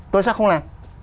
tôi sẽ không làm